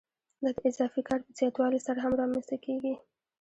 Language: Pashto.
دا د اضافي کار په زیاتوالي سره هم رامنځته کېږي